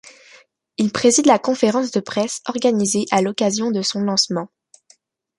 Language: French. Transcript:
Il préside la conférence de presse organisée à l’occasion de son lancement.